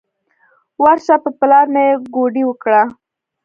ورشه په پلار مې کوډې وکړه.